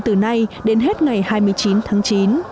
từ nay đến hết ngày hai mươi chín tháng chín